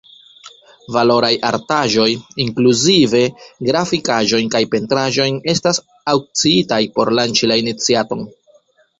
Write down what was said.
Valoraj artaĵoj – inkluzive grafikaĵojn kaj pentraĵojn – estas aŭkciitaj por lanĉi la iniciaton.